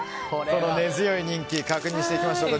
その根強い人気確認していきましょう。